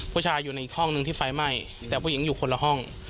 ผู้ชายอยู่ในอีกห้องหนึ่งที่ไฟไหม้แต่ผู้หญิงอยู่คนละห้อง